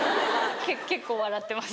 結構笑ってます。